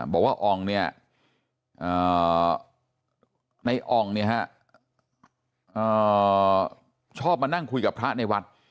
บอกว่าอ่องเนี่ยในอ่องเนี่ยฮะชอบมานั่งคุยกับพระในวัด